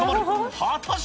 果たして。